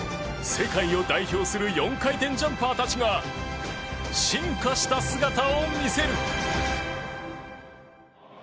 世界を代表する４回転ジャンパーたちが進化した姿を見せる。